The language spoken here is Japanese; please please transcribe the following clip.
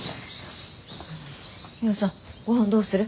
ミホさんごはんどうする？